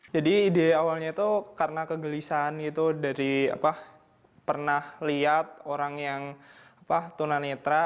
jadi ide awalnya itu karena kegelisahan dari pernah lihat orang yang tuna netra